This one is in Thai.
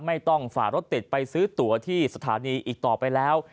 ฝ่ารถติดไปซื้อตัวที่สถานีอีกต่อไปแล้ว